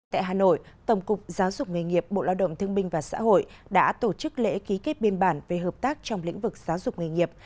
tại hà nội tổng cục giáo dục nghề nghiệp bộ lao động thương minh và xã hội đã tổ chức lễ ký kết biên bản về hợp tác trong lĩnh vực giáo dục nghề nghiệp